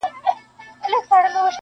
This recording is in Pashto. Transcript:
چي د کابل ګرېوان ته اور توی که-